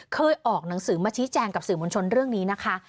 ออกหนังสือมาชี้แจงกับสื่อมวลชนเรื่องนี้นะคะ